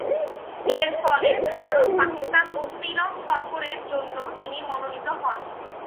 এরফলে ভারত, পাকিস্তান ও সিলন সফরের জন্য তিনি মনোনীত হন।